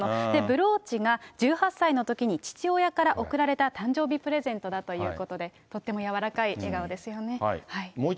ブローチが１８歳のときに父親から贈られた誕生日プレゼントだということで、とっても柔らかい笑顔ですよね。